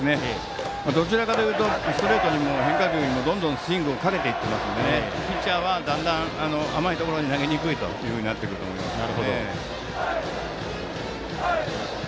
どちらかというとストレートにも変化球にもどんどんスイングをかけていっていますのでピッチャーはだんだん甘いところに投げにくくなってくると思いますね。